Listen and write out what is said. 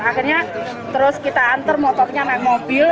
akhirnya terus kita antar motornya naik mobil